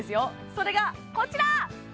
それがこちら！